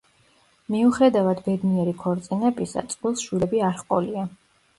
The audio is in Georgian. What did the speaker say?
მიუხედავად ბედნიერი ქორწინებისა, წყვილს შვილები არ ჰყოლია.